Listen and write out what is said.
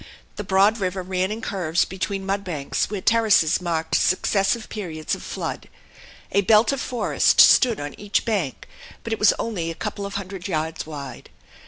The broad river ran in curves between mud banks where terraces marked successive periods of flood. A belt of forest stood on each bank, but it was only a couple of hundred yards wide.